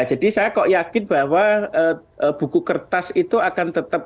jadi saya kok yakin bahwa buku kertas itu akan tetap